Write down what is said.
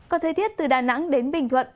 còn thời tiết từ đà nẵng đến bình thuận